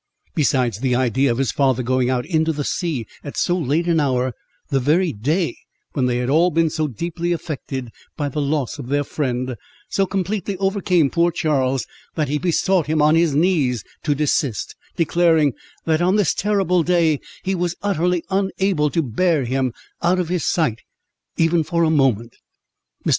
Besides the idea of his father going out into the sea at so late an hour, the very day when they had been all so deeply affected by the loss of their friend, so completely overcame poor Charles, that he besought him on his knees to desist, declaring—"That on this terrible day he was utterly unable to bear him out of his sight for a moment." Mr.